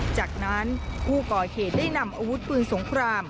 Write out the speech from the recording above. จากนั้นผู้ก่อเหตุได้นำอาวุธปืนสงคราม